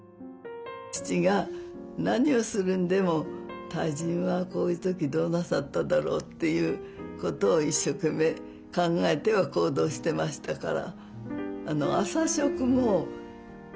父が何をするんでも大人はこういう時どうなさっただろうっていうことを一生懸命考えては行動してましたから。